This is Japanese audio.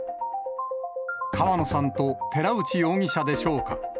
川野さんと寺内容疑者でしょうか。